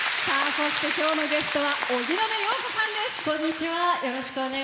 そして、今日のゲストは荻野目洋子さんです。